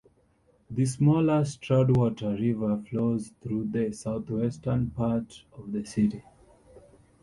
The smaller Stroudwater River flows through the southwestern part of the city.